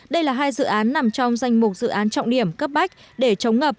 đây là hai dự án nằm trong danh mục dự án trọng điểm cấp bách để chống ngập